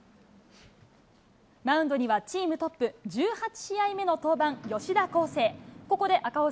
マウンドにはチームトップ、１８試合目の登板、吉田輝星。